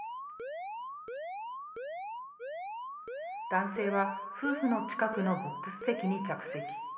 男性は夫婦の近くのボックス席に着席。